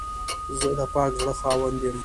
زه د پاک زړه خاوند یم.